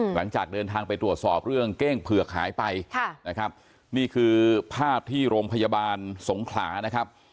หลังจากเดินทางไปตรวจสอบเรื่องเก้งเผือกหายไปนะครับนี่คือภาพที่โรงพยาบาลสงขลานะครับ